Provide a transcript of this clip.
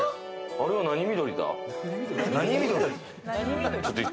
あれは何緑だ？